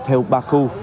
theo ba khu